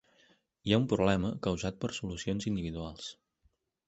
Hi ha un problema causat per solucions individuals.